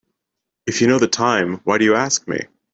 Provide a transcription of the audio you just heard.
If you know the time why do you ask me?